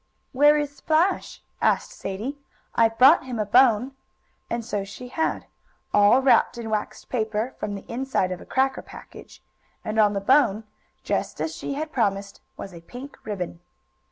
"Where is Splash?" asked Sadie. "I've brought him a bone," and so she had, all wrapped in waxed paper from the inside of a cracker package, and on the bone, just as she had promised, was a pink ribbon.